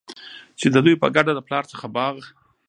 چي د دوي په ګډه د پلار څخه باغ